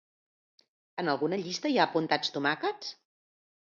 En alguna llista hi ha apuntats tomàquets?